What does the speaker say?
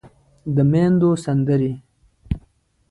د ميندو سندرې